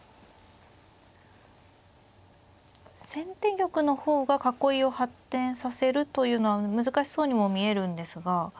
先手玉の方が囲いを発展させるというのは難しそうにも見えるんですが。